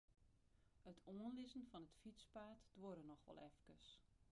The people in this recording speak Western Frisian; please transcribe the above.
It oanlizzen fan it fytspaad duorre noch wol efkes.